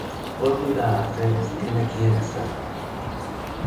Ordura arte ez genekien ezer!